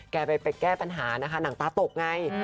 ผู้ชมไปแก้ปัญหาค่ะหนังตาตกไง